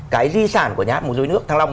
cái di sản của nhà hát mùa dối nước thăng long